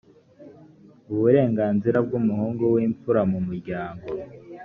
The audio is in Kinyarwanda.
uburenganzira bw’umuhungu w’imfura mu muryango